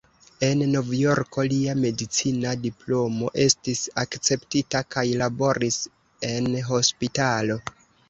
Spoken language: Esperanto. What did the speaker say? En Novjorko lia medicina diplomo estis akceptita kaj laboris en hospitalo.